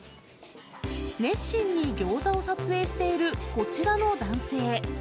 熱心にギョーザを撮影しているこちらの男性。